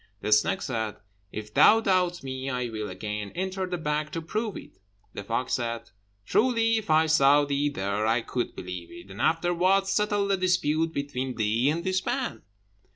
The snake said, "If thou doubt me, I will again enter the bag to prove it." The fox said, "Truly if I saw thee there, I could believe it, and afterwards settle the dispute between thee and this man."